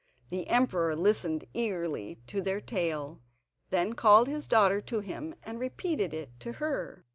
The emperor listened eagerly to their tale, then called his daughter to him and repeated it to her.